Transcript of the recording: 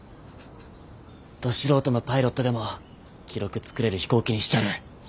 ど素人のパイロットでも記録作れる飛行機にしちゃる。